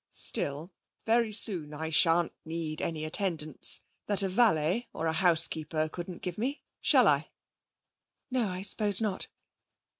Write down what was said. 'Still, very soon I shan't need any attendance that a valet or a housekeeper couldn't give me, shall I?' 'No, I suppose not.'